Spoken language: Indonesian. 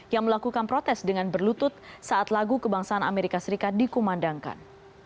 yang melakukan protes dengan berlutut saat lagu kebangsaan amerika serikat dikumandangkan